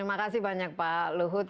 terima kasih banyak pak luhut